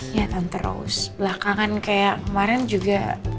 ya tante rose belakangan kayak kemarin juga